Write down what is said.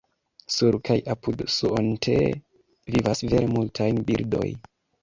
Sur kaj apud Suontee vivas vere multaj birdoj.